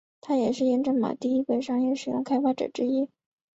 他也是验证码的第一个商业实现的开发者之一。